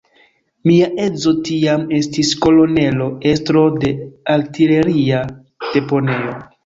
Mia edzo tiam estis kolonelo, estro de artileria deponejo.